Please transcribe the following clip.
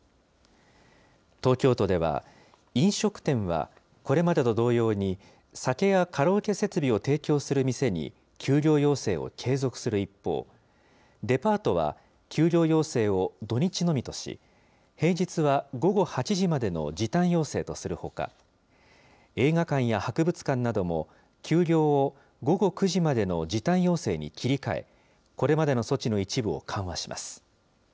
東京都では、飲食店はこれまでと同様に、酒やカラオケ設備を提供する店に、休業要請を継続する一方、デパートは休業要請を土日のみとし、平日は午後８時までの時短要請とするほか、映画館や博物館なども、休業を午後９時までの時短要請に切り替え、これまでの措置の一部を緩和します。